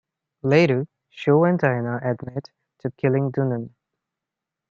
Later, Sho and Diana admit to killing Dunan.